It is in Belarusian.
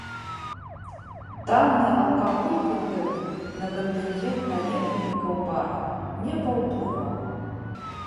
Танны алкаголь пры гэтым на кантынгент наведвальнікаў бара не паўплываў.